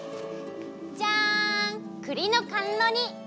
じゃんくりのかんろ煮！